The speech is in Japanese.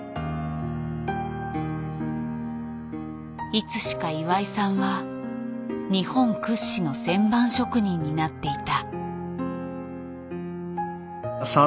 いつしか岩井さんは日本屈指の旋盤職人になっていた。